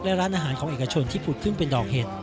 และร้านอาหารของเอกชนที่ผุดขึ้นเป็นดอกเห็ด